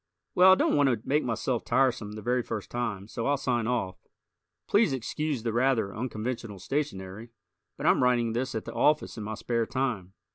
Well, I don't want to make myself tiresome the very first time, so I'll sign off. Please excuse the rather unconventional stationary, but I'm writing this at the office in my spare time.